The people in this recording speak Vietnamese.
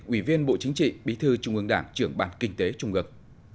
ủy viên bộ chính trị bí thư trung ương đảng trưởng bản kinh tế trung ương